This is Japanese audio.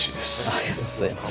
ありがとうございます。